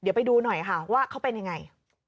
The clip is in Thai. เดี๋ยวไปดูหน่อยค่ะว่าเขาเป็นยังไง